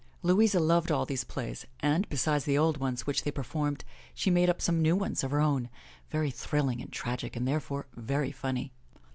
Louisa loved all these plays and, besides the old ones which they performed, she made up some new ones of her own, very thrilling and tragic and therefore, very funny.